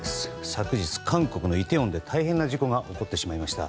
昨日、韓国のイテウォンで大変な事故が起こってしまいました。